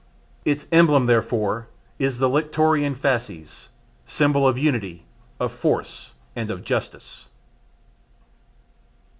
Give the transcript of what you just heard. Its emblem, therefore, is the lictorian fasces, symbol of unity, of force and of justice.